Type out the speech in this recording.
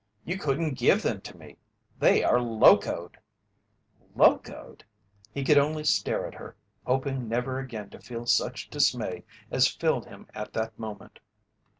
You couldn't give them to me. They are locoed!" "Locoed!" He could only stare at her, hoping never again to feel such dismay as filled him at that moment.